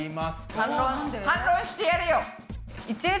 反論してやれよ。